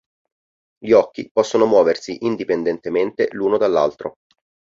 Gli occhi possono muoversi indipendentemente l'uno dall'altro.